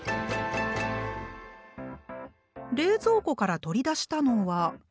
冷蔵庫から取り出したのはん？